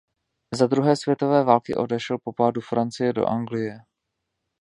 Za druhé světové války odešel po pádu Francie do Anglie.